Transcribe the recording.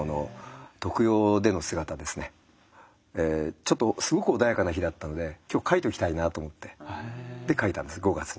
ちょっとすごく穏やかな日だったので今日描いときたいなと思ってで描いたんです５月に。